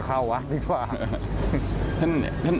เข้าหว่างนี้ก่อน